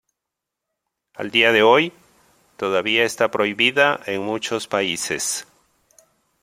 Al día de hoy, todavía está prohibida en muchos países.